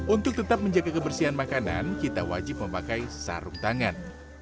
untuk tetap menjaga kebersihan makanan kita wajib memakai sarung tangan